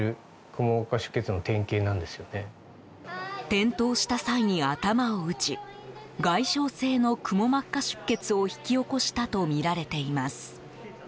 転倒した際に頭を打ち外傷性のくも膜下出血を引き起こしたとみられています。